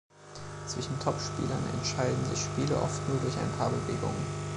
Zwischen Topspielern entscheiden sich Spiele oft nur durch ein paar Bewegungen.